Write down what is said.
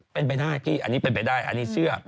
เป็นไปได้พี่อันนี้เป็นไปได้อันนี้เชื่อ